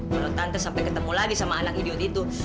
menurut tante sampai ketemu lagi sama anak idiot itu